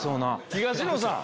東野さん。